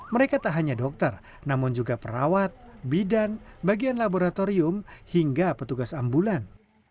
mereka tak hanya dokter namun juga perawat bidan bagian laboratorium hingga petugas ambulan